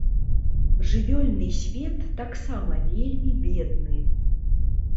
Жывёльны свет таксама вельмі бедны.